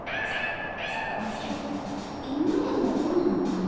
おじゃ犬でもおるのかの？